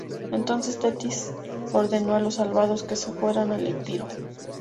Entonces Tetis ordenó a los salvados que se fueran al Epiro.